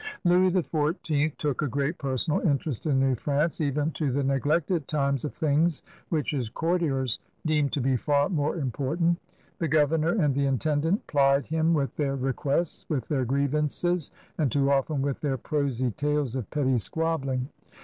Louis XIV took a great personal interest in New France even to the neglect at times of things which his courtiers deemed to be far more im portant. The governor and the intendant plied him with their requests, with their grievances, and too often with their prosy tales of petty squabbling.